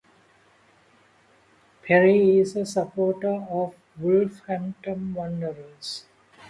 Perry is a supporter of Wolverhampton Wanderers.